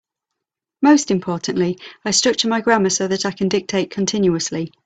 Most importantly, I structure my grammar so that I can dictate continuously.